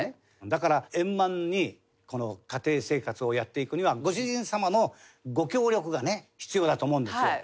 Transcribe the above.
だから円満に家庭生活をやっていくにはご主人様のご協力がね必要だと思うんですよ。